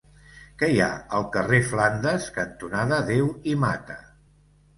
Què hi ha al carrer Flandes cantonada Deu i Mata?